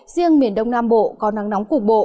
riêng miền đông nam bộ có nắng nóng cục bộ